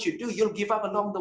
anda akan menyerah di jalan jalan